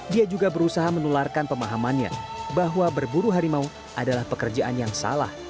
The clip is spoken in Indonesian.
dia juga berusaha menularkan pemahamannya bahwa berburu harimau adalah pekerjaan yang salah